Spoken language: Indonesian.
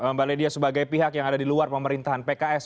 mbak ledia sebagai pihak yang ada di luar pemerintahan pks